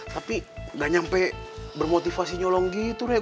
tapi gak nyampe bermotivasi nyolong gitu deh